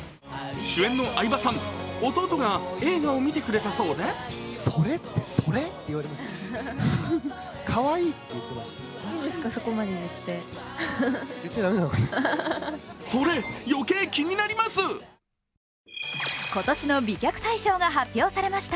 主演の相葉さん、弟が映画を見てくれたそうでそれ、余計気になります。